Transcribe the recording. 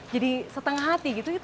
jadi setengah hati